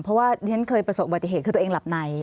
เพราะเท้นเขยประสบบาทีเหตุคือตัวเองหลับใน